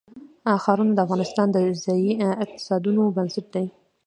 ښارونه د افغانستان د ځایي اقتصادونو بنسټ دی.